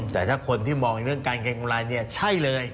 แต่ถ้าคนที่มองในเรื่องของการการกำไรใช่เลย